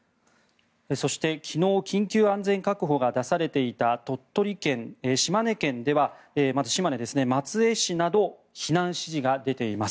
そして、昨日緊急安全確保が出されていた鳥取県、島根県では松江市などで避難指示が出ています。